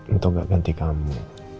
untuk gak ganti kamu